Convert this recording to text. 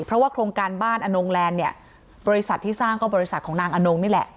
เพราะว่าโครงการบ้านอนงแลนด์เนี่ยบริษัทที่สร้างก็บริษัทของนางอนงนี่แหละ